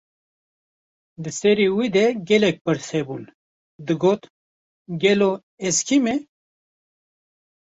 Di serê wî de gelek pirs hebûn, digot: Gelo, ez kî me?